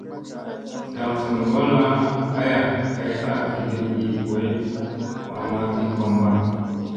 Dam vun ŋgolla aya kay a viɗim ii boy mamma ki komɓa.